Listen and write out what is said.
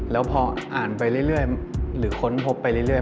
แล้วพออ่านไปเรื่อยหรือค้นพบไปเรื่อย